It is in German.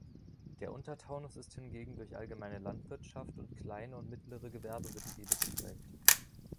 Der Untertaunus ist hingegen durch allgemeine Landwirtschaft und kleine und mittlere Gewerbebetriebe geprägt.